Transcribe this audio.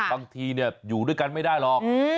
บางทีอยู่ด้วยกันไม่ได้หรอก